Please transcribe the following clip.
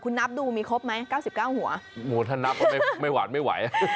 คุณนับดูมีครบไหม๙๙หัวถ้านับว่าไม่หวานไม่ไหว